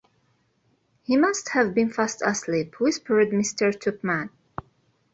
‘He must have been fast asleep,’ whispered Mr. Tupman.